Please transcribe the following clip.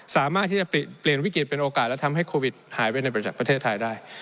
สามารถที่จะเปลี่ยนวิกฤตเป็นโอกาสและทำให้โควิดหายไปในบริจักษ์ประเทศไทยได้